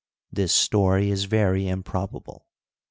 Tnis story is very improbable.